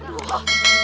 ini ibu mer